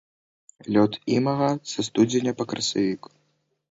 Лёт імага са студзеня па красавік.